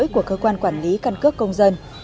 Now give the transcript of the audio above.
của cơ quan quản lý căn cước công dân